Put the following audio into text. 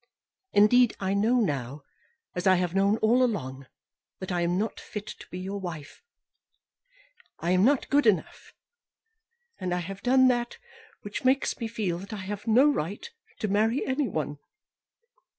Indeed I know now, as I have known all along, that I am not fit to be your wife. I am not good enough. And I have done that which makes me feel that I have no right to marry anyone."